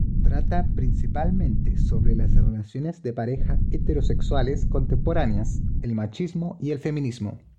Trata principalmente sobre las relaciones de pareja heterosexuales contemporáneas, el machismo y el feminismo.